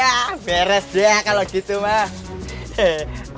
ya beres deh kalau gitu mah